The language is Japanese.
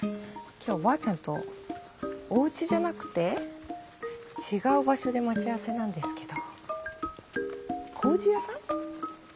今日おばあちゃんとおうちじゃなくて違う場所で待ち合わせなんですけど。